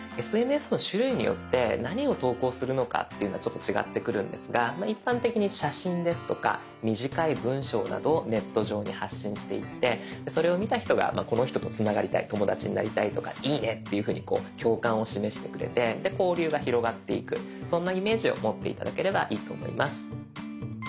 ＳＮＳの種類によって何を投稿するのかというのは違ってくるんですが一般的に写真ですとか短い文章などをネット上に発信していってそれを見た人がこの人とつながりたい友だちになりたいとかいいねっていうふうに共感を示してくれて交流が広がっていくそんなイメージを持って頂ければいいと思います。